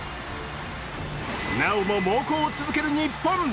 なおも猛攻を続ける日本。